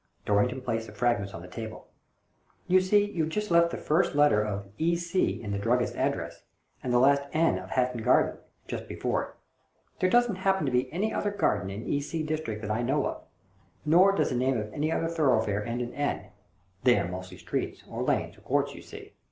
Dorrington placed the fragments on the table. "You see you've just left the first letter of *E.C.' in the druggist's address, and the last * N ' of Hatton Garden, just before it. There doesn't happen to be any other Garden in E.G. district that I know of, nor does the name of any other thoroughfare end in N — they are mostly streets, or lanes, or courts, you see.